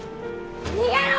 逃げろ！